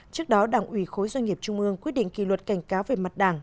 trước đó đảng ủy khối doanh nghiệp trung ương quyết định kỳ luật cảnh cáo về mặt đảng